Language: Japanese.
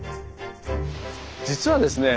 実はですね